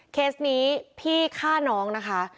เคสนี้พี่ฆ่าน้องนะคะ